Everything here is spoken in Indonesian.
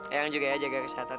yang juga ya jaga kesehatan